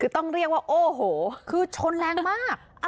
คือต้องเรียกว่าโอ้โหคือชนแรงมาก